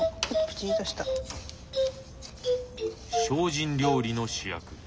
精進料理の主役。